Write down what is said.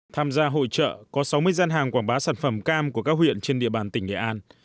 tham gia hội trợ có sáu mươi gian hàng quảng bá sản phẩm cam của các huyện trên địa bàn tỉnh nghệ an